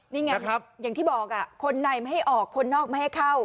นี่ไงอย่างที่บอกคนในไม่ให้ออกคนนอกไม่ให้เข้า